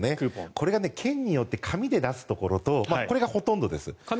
これが県によって紙で出すところこれがほとんどです。